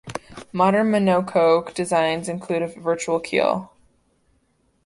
Modern monocoque designs include a virtual keel.